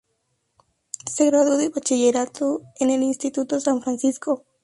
Se graduó de Bachillerato en el Instituto San Francisco.